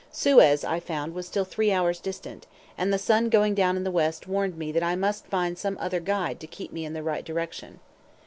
Suez, I found, was still three hours distant, and the sun going down in the west warned me that I must find some other guide to keep me in the right direction.